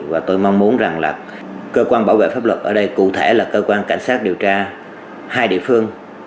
và tôi mong muốn rằng là cơ quan bảo vệ pháp luật ở đây cụ thể là cơ quan cảnh sát điều tra hai địa phương